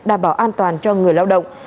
đảm bảo an toàn cho người lao động